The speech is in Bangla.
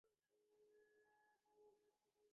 বাবা আপনাদের থাকতে বলেছেন।